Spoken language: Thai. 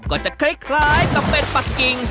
ก็จะคล้ายกับเป็ดปะกิ่ง